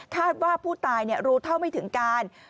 ว่าผู้ตายรู้เท่าไม่ถึงการ